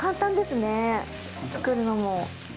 作るのも。